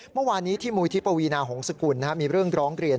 เมื่อวานนี้ที่มูลที่ปวีนาหงษกุลมีเรื่องร้องเรียน